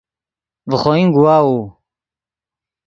ڤے خوئن گواؤو